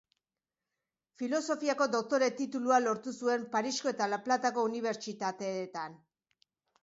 Filosofiako doktore-titulua lortu zuen Parisko eta La Platako unibertsitateetan.